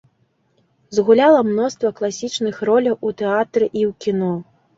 Згуляла мноства класічных роляў у тэатры і ў кіно.